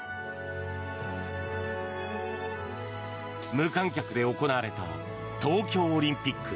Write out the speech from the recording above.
無観客で行われた東京オリンピック。